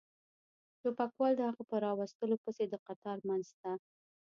ټوپکوال د هغه په را وستلو پسې د قطار منځ ته.